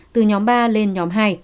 từ nhóm ba lên nhóm hai